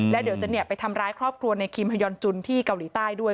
แล้วเดี๋ยวจะไปทำร้ายครอบครัวในคิมฮยอนจุนที่เกาหลีใต้ด้วย